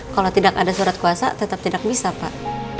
kalau tidak ada surat kuasa tetap tidak bisa pak